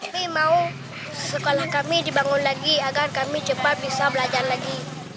kami mau sekolah kami dibangun lagi agar kami cepat bisa belajar lagi